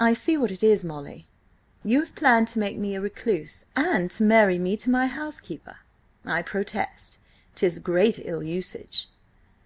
"I see what it is, Molly. You have planned to make me a recluse, and to marry me to my housekeeper. I protest, 'tis great ill usage!"